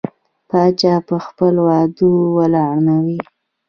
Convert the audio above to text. پاچا په خپل وعدو ولاړ نه وي.